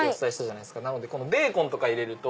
なのでベーコンとか入れると。